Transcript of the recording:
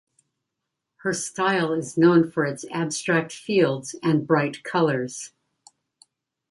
Her style is known for its abstract fields and bright colors.